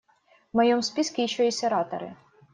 В моем списке еще есть ораторы.